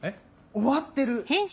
終わってる。